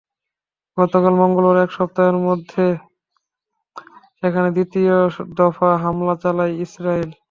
গতকাল মঙ্গলবার এক সপ্তাহের মধ্যে সেখানে দ্বিতীয় দফা হামলা চালায় ইসরাইল।